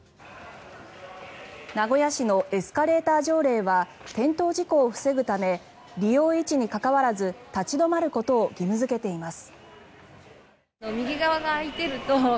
名古屋市のエスカレーター条例は転倒事故を防ぐため利用位置に関わらず立ち止まることを義務付けています。